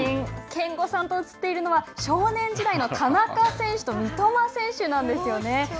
憲剛さんと写っているのは少年時代の田中選手と三笘選手なんですよね。